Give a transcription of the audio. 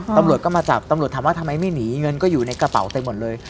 ตำรวจก็มาจับตำรวจถามว่าทำไมไม่หนีเงินก็อยู่ในกระเป๋าเต็มหมดเลย